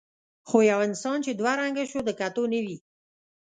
خو یو انسان چې دوه رنګه شو د کتو نه وي.